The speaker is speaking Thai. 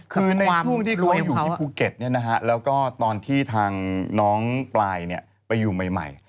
คือในช่วงที่เค้าอยู่ที่ภูเก็ตเนี่ยนะฮะแล้วก็ตอนที่ทางน้องปลายเนี่ยไปอยู่ใหม่